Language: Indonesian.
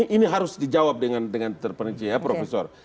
ini harus dijawab dengan terpenci ya profesor